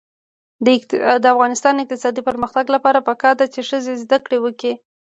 د افغانستان د اقتصادي پرمختګ لپاره پکار ده چې ښځې زده کړې وکړي.